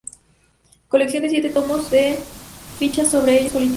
Colección de siete tomos de fichas sobre hechos políticos.